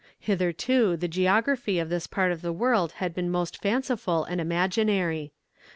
Hitherto the geography of this part of the world had been most fanciful and imaginary.